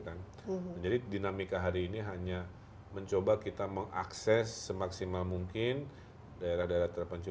jadi dinamika hari ini hanya mencoba kita mengakses semaksimal mungkin daerah daerah terpencil